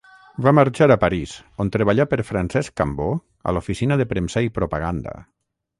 Va marxar a París, on treballà per Francesc Cambó a l'Oficina de Premsa i Propaganda.